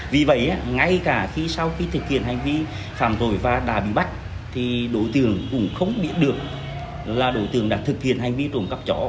vì vậy ngay cả khi sau khi thực hiện hành vi phạm tội và đã bị bắt thì đối tượng cũng không biết được là đối tượng đã thực hiện hành vi trộm cắp chó